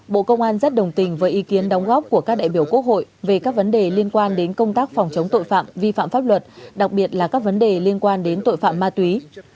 bộ công an rất đồng tình với ý kiến đóng góp của các đại biểu quốc hội về các vấn đề liên quan đến công tác phòng chống tội phạm vi phạm pháp luật đặc biệt là các vấn đề liên quan đến tội phạm ma túy